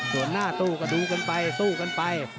ส่วนหน้าตู้ก็ดูกันไปสู้กันไป